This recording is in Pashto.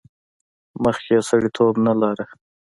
مخکې یې سړیتیوب نه لرلو.